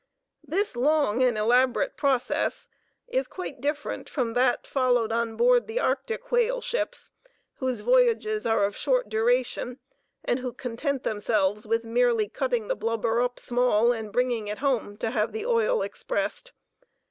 This long and elaborate process is quite different from that followed on board the Arctic whale ships, whose voyages are of short duration, and who content themselves with merely cutting the blubber up small and bringing it home to have the oil expressed.